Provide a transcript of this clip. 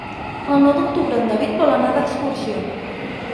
El nou d'octubre en David vol anar d'excursió.